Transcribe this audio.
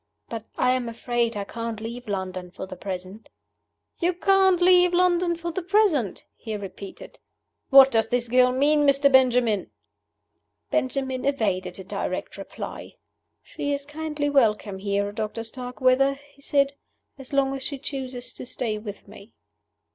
"But I am afraid I can't leave London for the present." "You can't leave London for the present?" he repeated. "What does the girl mean, Mr. Benjamin?" Benjamin evaded a direct reply. "She is kindly welcome here, Doctor Starkweather," he said, "as long as she chooses to stay with me."